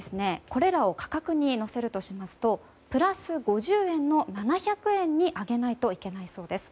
これらを価格に乗せるとしますとプラス５０円の７００円に上げないといけないそうです。